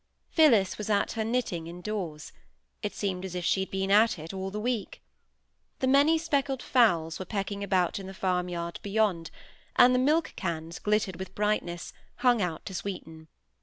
Phillis was at her knitting indoors: it seemed as if she had been at it all the week. The manyspeckled fowls were pecking about in the farmyard beyond, and the milk cans glittered with brightness, hung out to sweeten.